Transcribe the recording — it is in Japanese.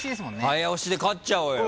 早押しで勝っちゃおうよ。